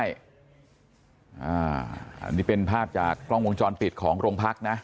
อันนี้เป็นภาพจากกล้องวงจรปิดของโรงพักนะ